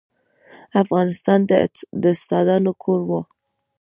افغانستان د استادانو کور و.